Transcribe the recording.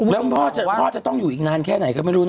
แล้วพ่อจะต้องอยู่อีกนานแค่ไหนก็ไม่รู้นะ